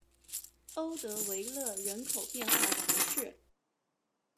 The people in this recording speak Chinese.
欧德维勒人口变化图示